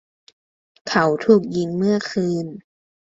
เขาถูกยิงเมื่อคืน